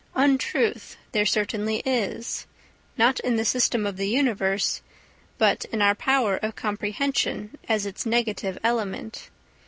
Untruth there certainly is, not in the system of the universe, but in our power of comprehension, as its negative element.